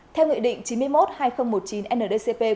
theo nghị định chín mươi một hai nghìn một mươi chín ndcp